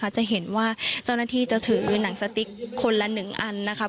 เจ้าหน้าที่จะถือหนังสติ๊กคนละ๑อัน